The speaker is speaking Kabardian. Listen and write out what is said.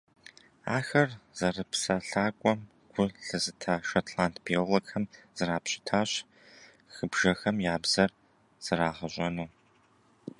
Ахэр зэрыпсэлъакӏуэм гу лъызыта шотланд биологхэм зрапщытащ хыбжэхэм я «бзэр» зэрагъэщӏэну.